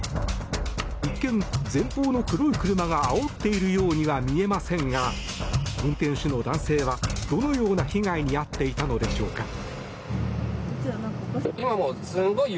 一見、前方の黒い車があおっているようには見えませんが運転手の男性はどのような被害に遭っていたのでしょうか。